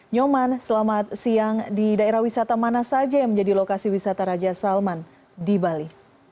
nyoman selamat siang di daerah wisata mana saja yang menjadi lokasi wisata raja salman di bali